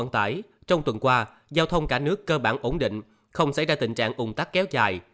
trong tuần qua giao thông cả nước cơ bản ổn định không xảy ra tình trạng ủng tắc kéo dài